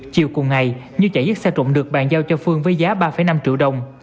chiều cùng ngày như chạy giết xe trộm được bàn giao cho phương với giá ba năm triệu đồng